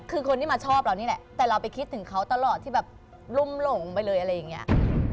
คือคนที่มาชอบเรานี่แหละแต่เราไปคิดถึงเขาตลอดที่แบบรุ่มหลงไปเลยอะไรอย่างนี้